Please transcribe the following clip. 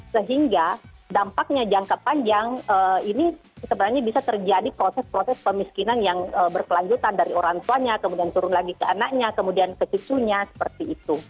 sehingga dampaknya jangka panjang ini sebenarnya bisa terjadi proses proses pemiskinan yang berkelanjutan dari orang tuanya kemudian turun lagi ke anaknya kemudian ke cucunya seperti itu